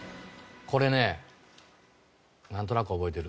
これねなんとなく覚えてる。